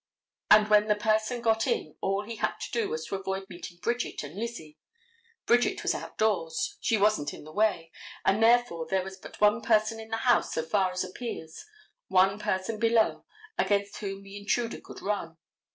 And when the person got in all he had to do was to avoid meeting Bridget and Lizzie. Bridget was outdoors, she wasn't in the way, and therefore there was but one person in the house so far as appears, one person below, against whom the intruder could run.